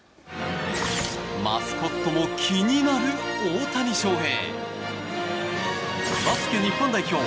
マスコットも気になる大谷翔平。